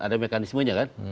ada mekanismenya kan